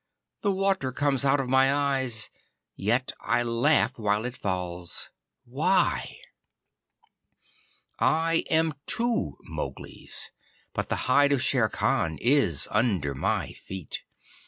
The water comes out of my eyes; yet I laugh while it falls. Why? I am two Mowglis, but the hide of Shere Khan is under my feet.